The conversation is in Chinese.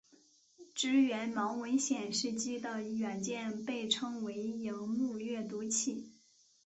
支援盲文显示机的软件被称为萤幕阅读器。